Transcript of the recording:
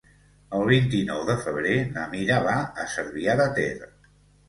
El vint-i-nou de febrer na Mira va a Cervià de Ter.